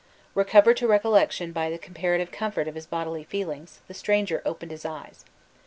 Recovered to recollection by the comparative comfort of his bodily feelings, the stranger opened his eyes.